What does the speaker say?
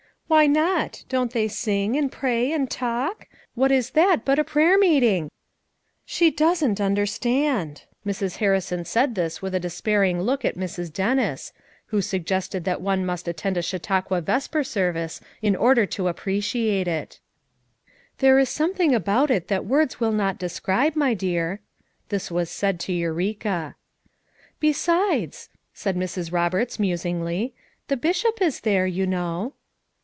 "Why not! Don't they sing, and pray and talk? What is that but a prayer meeting?" "She doesn't understand!" Mrs. Harrison said this with a despairing look at Mrs. Dennis, 130 FOUR MOTHERS AT CHAUTAUQUA who suggested that one must attend a Chau tauqua vesper service in order to appreciate it " There is something about it that words will not describe, my dear." This was said to Eureka, " Besides/ ' said Mrs. Roberts musingly, "the Bishop is there, you know."